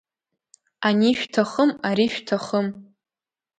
Ани шәҭахым, ари шәҭахым…